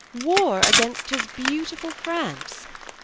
War against his beautiful France!